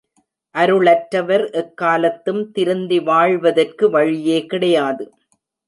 அருளற்றவர் எக்காலத்தும் திருந்தி வாழ்வதற்கு வழியே கிடையாது.